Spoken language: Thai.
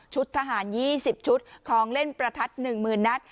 ชุดทหารยี่สิบชุดของเล่นประทัดหนึ่งหมื่นนัด